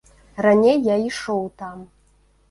Раней я ішоў там.